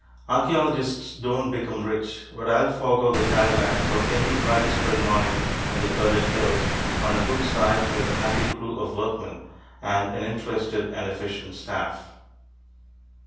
Archeologists don't become rich, but I'll forego the Cadillac for any bright spring morning in the Kurdish hills, on a good site with a happy crew of workmen and an interested and efficient staff.